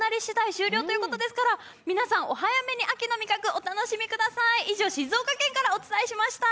終了ということですから皆さん、お早めに秋の味覚、お楽しみください。